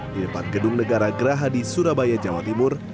di depan gedung negara gerahadi surabaya jawa timur